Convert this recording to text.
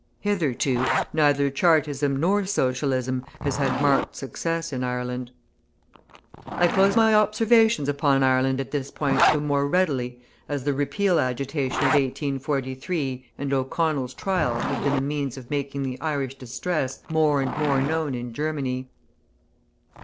Hitherto, neither Chartism nor Socialism has had marked success in Ireland. I close my observations upon Ireland at this point the more readily, as the Repeal Agitation of 1843 and O'Connell's trial have been the means of making the Irish distress more and more known in Germany.